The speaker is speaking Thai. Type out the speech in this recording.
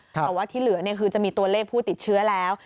แต่ว่าที่เหลือคือจะมีตัวเลขผู้ติดเชื้อแล้ว